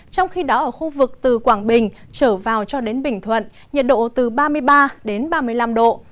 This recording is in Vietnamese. trong khi đó ở khu vực từ quảng bình trở vào cho đến bình thuận nhiệt độ từ ba mươi ba đến ba mươi năm độ